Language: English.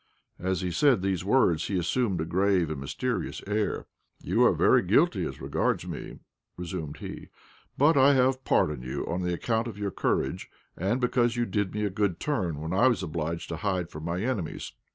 As he said these words he assumed a grave and mysterious air. "You are very guilty as regards me," resumed he, "but I have pardoned you on account of your courage, and because you did me a good turn when I was obliged to hide from my enemies.